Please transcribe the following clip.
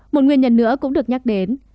một nguyên nhân nữa cũng được nhắc đến